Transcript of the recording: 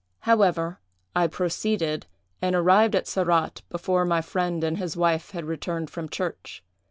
However, I proceeded, and arrived at Sarratt before my friend and his wife had returned from church.